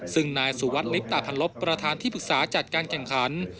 ซึ่งนายสุวัสดิลิปตาพันลบประธานที่ปรึกษาจัดการแข่งขัน